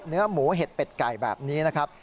เนื้อหมูเห็ดเป็ดไก่แบบนี้นะครับ